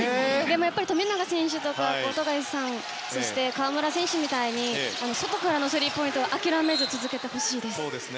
富永選手とか富樫さん河村選手みたいに外からのスリーポイントを諦めずに続けてほしいです。